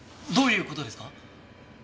どういう事ですか？